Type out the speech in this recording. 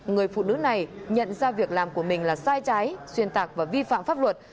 người phụ nữ này nhận ra việc làm của mình là sai trái xuyên tạc và vi phạm pháp luật